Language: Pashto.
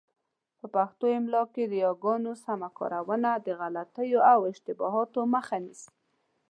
په پښتو املاء کي د یاګانو سمه کارونه د غلطیو او اشتباهاتو مخه نیسي.